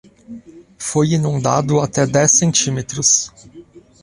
Foi inundado até dez centímetros.